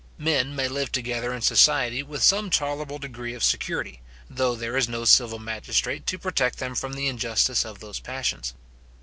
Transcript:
Men may live together in society with some tolerable degree of security, though there is no civil magistrate to protect them from the injustice of those passions.